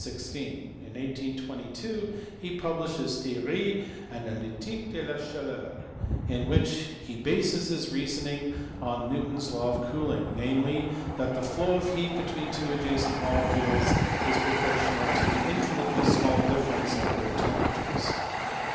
In 1822 he published his Theorie analytique de la chaleur, in which he bases his reasoning on Newton s law of cooling, namely, that the flow of heat between two adjacent molecules is proportional to the infinitely small difference of their temperatures.